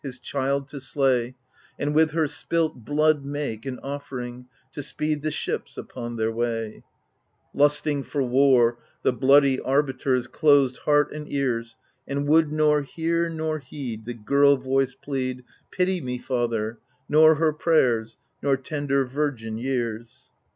His child to slay, And with her spilt blood make An offering, to speed the ships upon their way ! Lusting for war, the bloody arbiters Closed heart and ears, and would nor hear nor heed The girl voice plead, Pity me. Father/ nor her prayers. Nor tender, virgin years.